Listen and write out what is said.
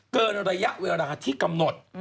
เกินระยะเวลาที่กำหนด